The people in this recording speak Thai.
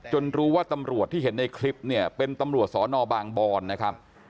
รู้ว่าตำรวจที่เห็นในคลิปเนี่ยเป็นตำรวจสอนอบางบอนนะครับ